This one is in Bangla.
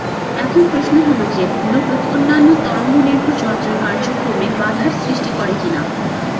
এখন প্রশ্ন হল যে ব্লুটুথ অন্যান্য তরঙ্গ নির্ভর যন্ত্রের কার্যক্রমে বাধার সৃষ্টি করে কিনা?